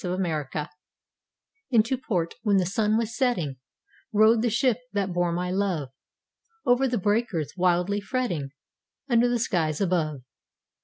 A SAILOR'S WIFE Into port when the sun was setting Rode the ship that bore my love, Over the breakers wildly fretting, Under the skies above.